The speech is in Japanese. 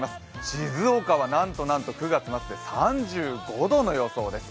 静岡はなんとなんと９月末で３５度の予想です。